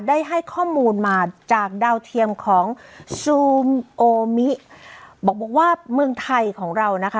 ได้ให้ข้อมูลมาจากดาวเทียมของซูมโอมิบอกว่าเมืองไทยของเรานะคะ